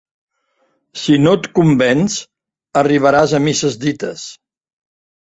Si no et convenç, arribaràs a misses dites.